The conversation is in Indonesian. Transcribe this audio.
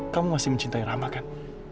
kamu masih mencintai rama kan